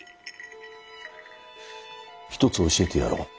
一つ教えてやろう。